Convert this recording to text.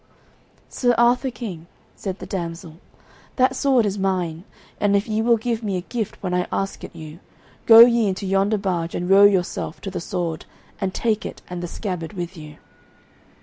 "Sir Arthur King," said the damsel, "that sword is mine, and if ye will give me a gift when I ask it you, go ye into yonder barge and row yourself to the sword, and take it and the scabbard with you."